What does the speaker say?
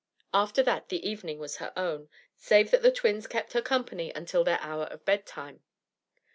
After that the evening was her own, save that the twins kept her company until their hour of bedtime.